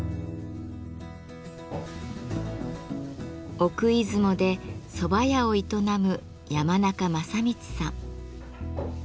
奥出雲で蕎麦屋を営む山中将道さん。